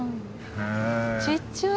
ちっちゃい。